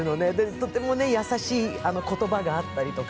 とても優しい言葉があったりとか。